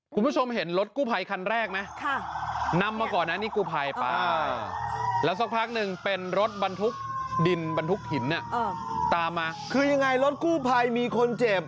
คุณผู้ชมเห็นรถกู้ภัยคันแรกไหมนำมาก่อนนะนี่กู้ภัยไปแล้วสักพักหนึ่งเป็นรถบรรทุกดินบรรทุกหินตามมาคือยังไงรถกู้ภัยมีคนเจ็บ